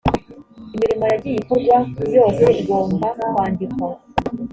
imirimo yagiye ikorwa yose igomba kwandikwa